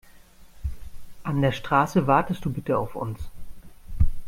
An der Straße wartest du bitte auf uns.